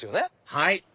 はい！